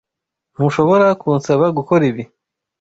Ntushobora kunsaba gukora ibi.